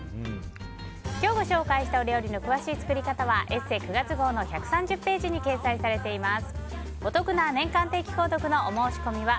今日ご紹介したお料理の詳しい作り方は「ＥＳＳＥ」９月号の１３０ページに掲載しています。